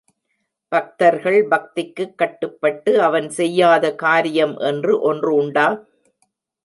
பக்தர்கள் பக்திக்குக் கட்டுப்பட்டு அவன் செய்யாத காரியம் என்று ஒன்று உண்டா?